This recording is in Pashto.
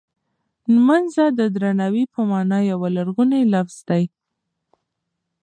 نمځنه د درناوی په مانا یو لرغونی لفظ دی.